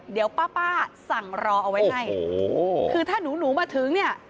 เดี๋ยวป้าป้าสั่งรอเอาไว้ให้โอ้โหคือถ้าหนูหนูมาถึงเนี่ย